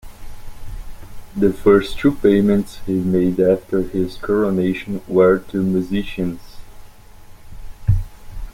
The first two payments he made after his coronation were to musicians.